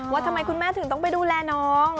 ว่าทำไมคุณแม่ถึงต้องไปดูแลน้อง